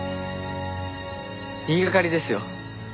言いがかりですよ。